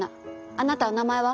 あなたお名前は？